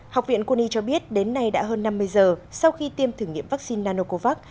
học viện quân y cho biết đến nay đã hơn năm mươi giờ sau khi tiêm thử nghiệm vaccine nanocovax